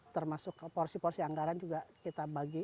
termasuk porsi porsi anggaran juga kita bagi